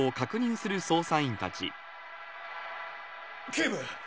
警部！